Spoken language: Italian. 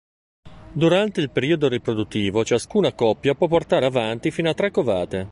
Durante il periodo riproduttivo, ciascuna coppia può portare avanti fino a tre covate.